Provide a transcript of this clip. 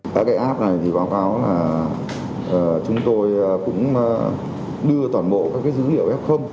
tại cái app này thì báo cáo là chúng tôi cũng đưa toàn bộ các dữ liệu f